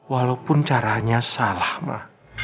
walaupun caranya salah ma